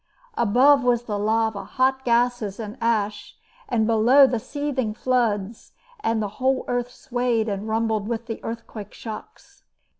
Above was the lava, hot gases and ash, and below the seething floods, and the whole earth swayed and rumbled with the earthquake shocks.